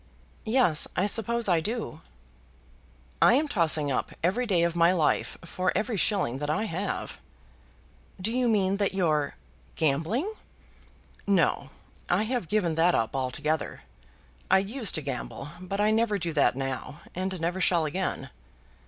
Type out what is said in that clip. "Yes, I suppose I do." "I am tossing up every day of my life for every shilling that I have." "Do you mean that you're gambling?" "No. I have given that up altogether. I used to gamble, but I never do that now, and never shall again.